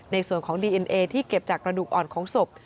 ในส่วนของดีเอ็นเอที่เก็บจากกระดูกอ่อนของศพ